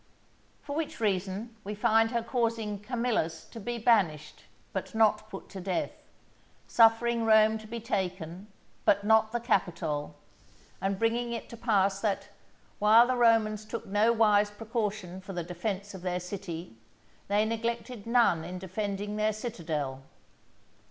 For which reason we find her causing Camillus to be banished, but not put to death; suffering Rome to be taken, but not the Capitol; and bringing it to pass that, while the Romans took no wise precaution for the defence of their city, they neglected none in defending their citadel.